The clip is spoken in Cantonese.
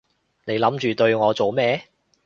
你諗住對我做咩？